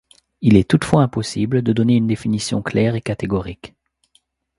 Il est toutefois impossible de donner une définition claire et catégorique.